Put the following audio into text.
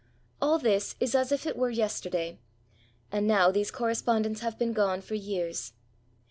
All this is as if it were yesterday: and now, these correspondents have been gone for years.